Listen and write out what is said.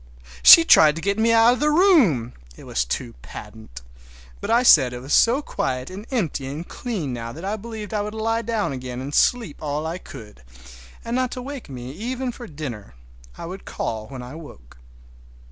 She tried to get me out of the room—it was too patent! But I said it was so quiet and empty and clean now that I believed I would lie down again and sleep all I could; and not to wake me even for dinner—I would call when I woke.